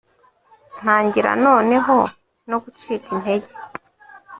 ntangira noneho no gucika intege